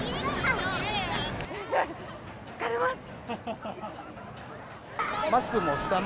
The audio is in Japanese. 疲れます。